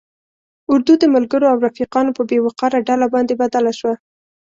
اردو د ملګرو او رفیقانو په بې وقاره ډله باندې بدل شوه.